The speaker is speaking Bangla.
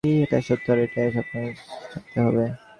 এটাই সত্য আর এটাই আপনাদের ছাপাতে হবে।